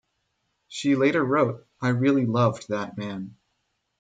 She later wrote, I really loved that man.